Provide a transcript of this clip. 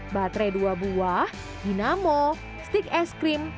baterai dua buah dinamo stik es krim